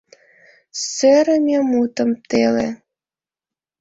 Сӧрымӧ мутым теле